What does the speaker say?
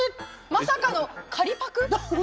まさかの借りパク？